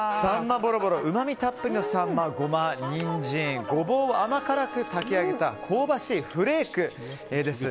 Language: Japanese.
ぼろぼろうまみたっぷりのサンマをゴマ、ニンジン、ゴボウを甘辛く炊き上げた香ばしいフレークです。